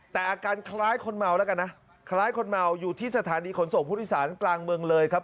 แต่อาการคล้ายคนเมาแล้วกันนะคล้ายคนเมาอยู่ที่สถานีขนส่งผู้โดยสารกลางเมืองเลยครับ